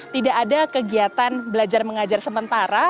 tidak ada kegiatan belajar mengajar sementara